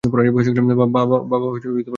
বাবা, ওটা দেখ!